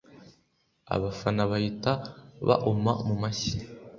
abafana bahita baoma mu mashyi